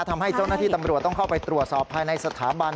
ทำให้เจ้าหน้าที่ตำรวจต้องเข้าไปตรวจสอบภายในสถาบัน